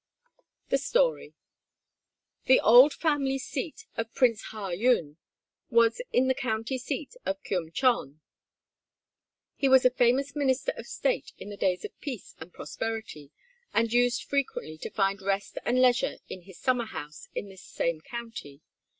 ] The Story The old family seat of Prince Ha Yun was in the County of Keum chon. He was a famous Minister of State in the days of peace and prosperity, and used frequently to find rest and leisure in his summer house in this same county.